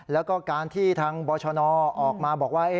แล้วก็การที่ทางบชนออกมาบอกว่า